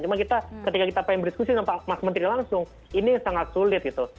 cuma kita ketika kita ingin berdiskusi dengan mas menteri langsung ini sangat sulit gitu